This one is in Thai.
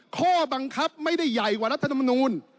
ข้อบังคับไม่ได้ใหญ่กว่ารัฐธรรมนูล